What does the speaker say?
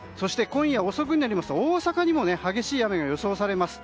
今夜遅くになりますと大阪にも激しい雨が予想されます。